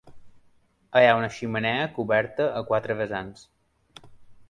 Hi ha una xemeneia coberta a quatre vessants.